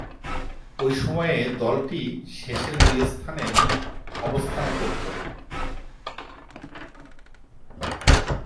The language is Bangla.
ঐ সময়ে দলটি শেষের দুই স্থানে অবস্থানে করতো।